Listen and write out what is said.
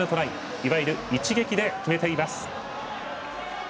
いわゆる一撃で決めています。